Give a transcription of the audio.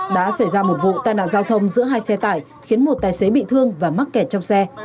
đã xảy ra một vụ tai nạn giao thông giữa hai xe tải khiến một tài xế bị thương và mắc kẹt trong xe